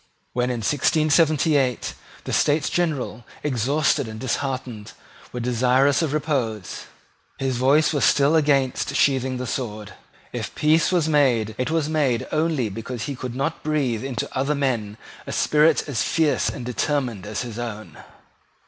When in 1678 the States General, exhausted and disheartened, were desirious of repose, his voice was still against sheathing the sword. If peace was made, it was made only because he could not breathe into other men a spirit as fierce and determined as his own.